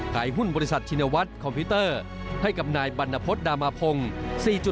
ขายหุ้นบริษัทชินวัฒน์คอมพิวเตอร์ให้กับนายบรรณพฤษดามาพงศ์